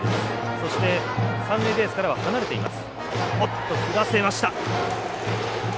そして、三塁ベースからは離れています。